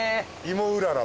芋うらら。